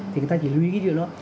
thì người ta chỉ lưu ý cái chuyện đó